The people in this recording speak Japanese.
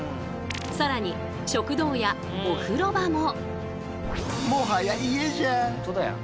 更に食堂やお風呂場も。